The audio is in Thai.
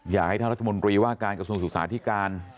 อยากให้ท่านรัฐมนตรีว่าการกระทรวงศึกษาธิการ